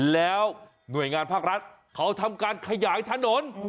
แล้วหน่วยงานภาครัฐเขาทำการขยายถนน